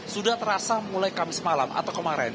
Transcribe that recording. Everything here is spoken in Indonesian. sudah terasa mulai kamis malam atau kemarin